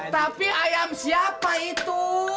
tapi ayam siapa itu